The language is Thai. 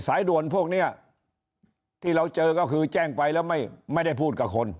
สายด่วนพวกนี้ที่เราเจอก็คือแจ้งไปแล้วไม่ได้พูดกับคน